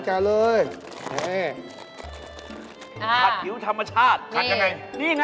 ขัดถิ้วธรรมชาติขัดอย่างไรนี่นะ